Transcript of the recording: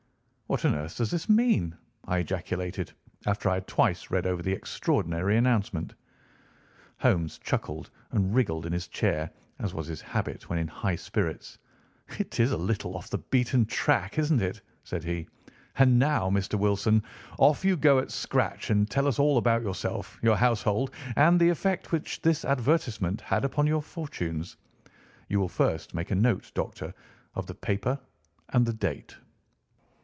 "What on earth does this mean?" I ejaculated after I had twice read over the extraordinary announcement. Holmes chuckled and wriggled in his chair, as was his habit when in high spirits. "It is a little off the beaten track, isn't it?" said he. "And now, Mr. Wilson, off you go at scratch and tell us all about yourself, your household, and the effect which this advertisement had upon your fortunes. You will first make a note, Doctor, of the paper and the date."